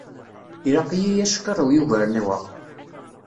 Ilaq-iyi acqirrew yugaren wa.